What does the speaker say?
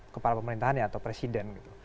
kepala pemerintahannya atau presiden gitu